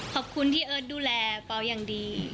ขอบคุณที่เอิร์ทดูแลเป๋าอย่างดี